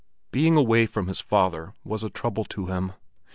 Being away from his father was a trouble to him.